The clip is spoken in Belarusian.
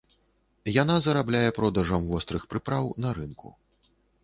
Яна зарабляе продажам вострых прыпраў на рынку.